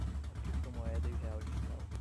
A criptomoeda e o real digital